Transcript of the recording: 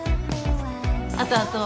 あとあと